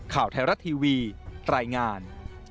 ข่าวแถวรัตน์ทีวีตรายงาน